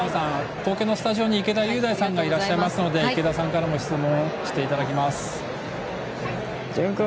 東京のスタジオに池田雄大さんがいらっしゃいますので池田さんからも質問をしていだきます。